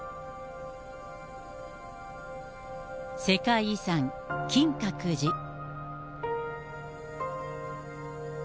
世界遺産、金閣寺。